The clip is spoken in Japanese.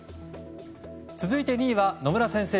続いて、２位は野村先生